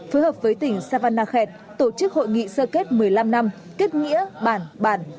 phối hợp với tỉnh savanakhet tổ chức hội nghị sơ kết một mươi năm năm kết nghĩa bản bản